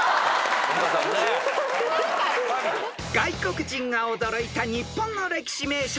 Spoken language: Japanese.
［外国人が驚いた日本の歴史名所